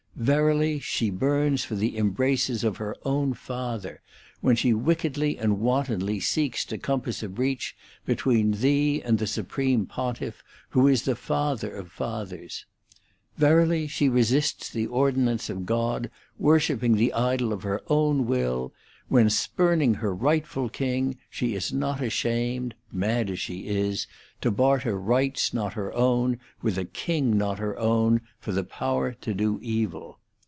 Verily she burns for the embraces of her own father, when she wickedly and wantonly seeks to compass a breach between thee and the supreme Pontiff, who is the father of fathers. Verily she resists the ordinance of God, worshipping the idol of her own will, when, spurning her rightful king, she is not ashamed, mad as she is, to barter rights not her own with a king not her own for the power to do evil.